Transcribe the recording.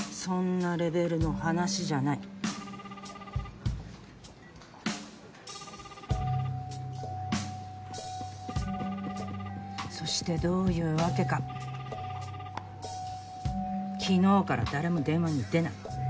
プルルルプルルルプルルルそしてどういうわけか昨日から誰も電話に出ない。